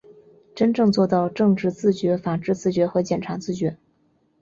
真正做到政治自觉、法治自觉和检察自觉